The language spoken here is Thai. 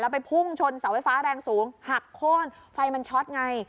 ไปพุ่งชนเสาไฟฟ้าแรงสูงหักโค้นไฟมันช็อตไง